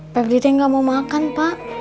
peblitnya gak mau makan pak